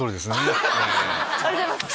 ありがとうございます。